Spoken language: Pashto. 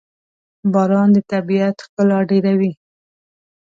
باران د طبیعت ښکلا ډېروي.